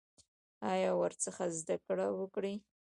او ورڅخه زده کړه وکړي.